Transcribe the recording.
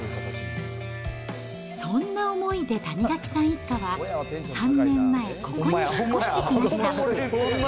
そんな思いで谷垣さん一家は、３年前、ここに引っ越してきました。